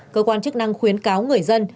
cơ quan chức năng khuyến cáo người dân